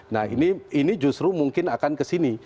nah ini justru mungkin akan kesini